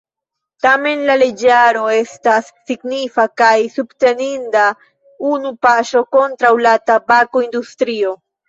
Tamen la leĝaro estas signifa kaj subteninda unua paŝo kontraŭ la tabako-industrio.